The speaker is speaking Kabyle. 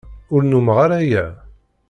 Ur nnummeɣ ara aya.